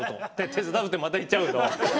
「手伝う」ってまた言っちゃうと。